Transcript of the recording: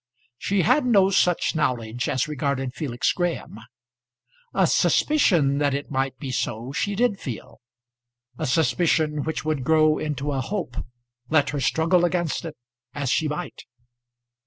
She had no such knowledge as regarded Felix Graham. A suspicion that it might be so she did feel, a suspicion which would grow into a hope let her struggle against it as she might.